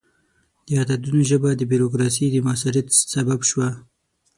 د عددونو ژبه د بروکراسي د موثریت سبب شوه.